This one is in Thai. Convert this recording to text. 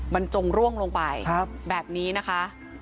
มันจงร่วงลงไปแบบนี้นะคะ